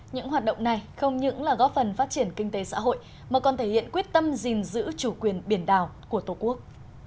những hoạt động này không những là góp phần phát triển kinh tế xã hội mà còn thể hiện quyết tâm gìn giữ chủ quyền biển đảo của tổ quốc